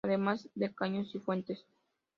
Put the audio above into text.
Además de caños y fuentes.